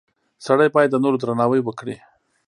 • سړی باید د نورو درناوی وکړي.